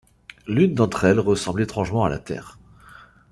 L’une d’entre elles ressemble étrangement à la Terre.